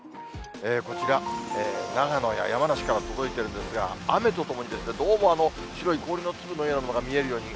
こちら、長野や山梨から届いてるんですが、雨とともに、どうも白い氷の粒のようなものが見えるように。